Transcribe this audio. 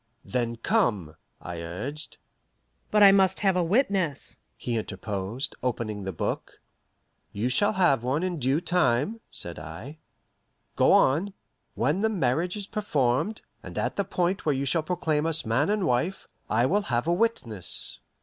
"Then come," I urged. "But I must have a witness," he interposed, opening the book. "You shall have one in due time," said I. "Go on. When the marriage is performed, and at the point where you shall proclaim us man and wife, I will have a witness."